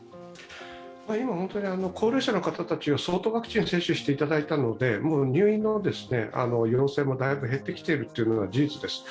今本当に高齢者の方たちに相当ワクチンを接種していただいたので、陽性も減ってきているのは事実です。